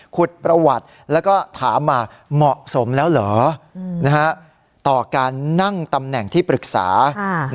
ขุดประวัติแล้วก็ถามมาเหมาะสมแล้วเหรอต่อการนั่งตำแหน่งที่ปรึกษา